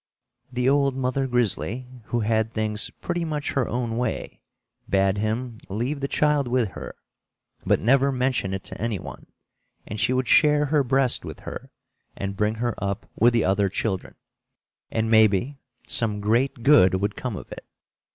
The old mother grizzly, who had things pretty much her own way, bade him leave the child with her, but never mention it to anyone, and she would share her breast with her, and bring her up with the other children, and maybe some great good would come of it.